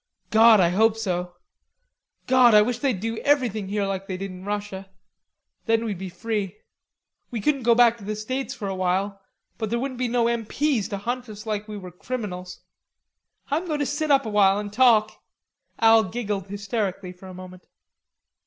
"God, I hope so. God, I wish they'd do everything here like they did in Russia; then we'd be free. We couldn't go back to the States for a while, but there wouldn't be no M.P.'s to hunt us like we were criminals.... I'm going to sit up a while and talk." Al giggled hysterically for a moment.